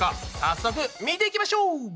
早速見ていきましょう！